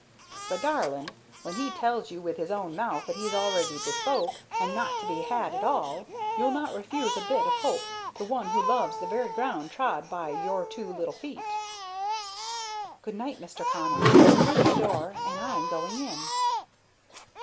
"But, darlin', when he tells you with his own mouth that he's already bespoke and not to be had at all, you'll not refuse a bit of hope to one who loves the very ground trod by your two little feet." "Good night, Mr. Connell. Here's the door, and I'm going in."